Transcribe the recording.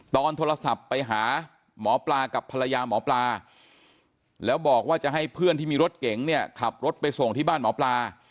ตอนโทรศัพท์ไปหาหมอปลากับภรรยาหมอปลาแล้วบอกว่าจะให้เพื่อนที่มีรถเก๋งเนี่ยขับรถไปส่งที่บ้านหมอปลา